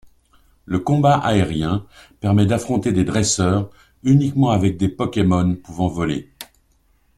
Le combat aérien permet d'affronter des dresseurs, uniquement avec des Pokémon pouvant voler.